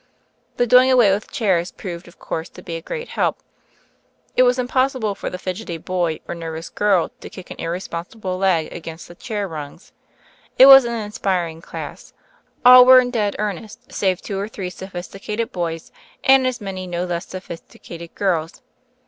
The doing away with chairs proved, of course, to be a great help; it was impossible for the fidgety boy or nervous girl to kick an irresponsible leg against the chair rungs. It was an inspiring class. All were in dead earnest save two or three sophisticated boys, and as many no less sophisticated girls.